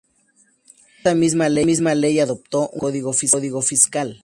Esta misma Ley adoptó un nuevo Código Fiscal.